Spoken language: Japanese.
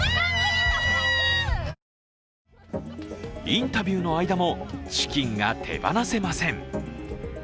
インタビューの間もチキンが手放せません。